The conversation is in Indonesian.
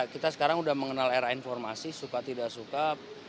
kita sekarang sudah mengenal era informasi suka tidak suka